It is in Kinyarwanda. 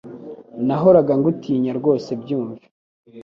Nahoraga ngutinya rwose byumve